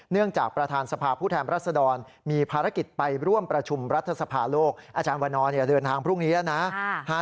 จากประธานสภาพผู้แทนรัศดรมีภารกิจไปร่วมประชุมรัฐสภาโลกอาจารย์วันนอร์เดินทางพรุ่งนี้แล้วนะ